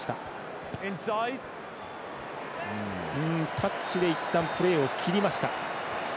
タッチでいったん、プレーを切りました。